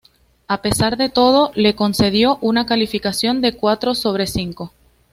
A pesar de todo, le concedió una calificación de cuatro sobre cinco.